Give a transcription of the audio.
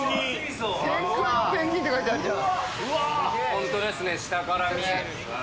ホントですね下から。